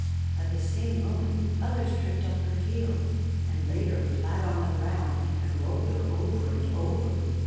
At the same moment others tripped up her heels, and laid her flat on the ground, and rolled her over and over.